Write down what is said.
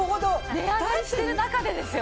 値上がりしている中でですよ！